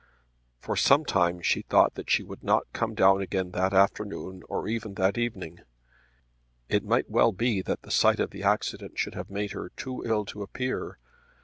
For some time she thought that she would not come down again that afternoon or even that evening. It might well be that the sight of the accident should have made her too ill to appear.